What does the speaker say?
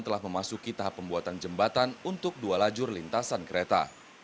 telah memasuki tahap pembuatan jembatan untuk dua lajur lintasan kereta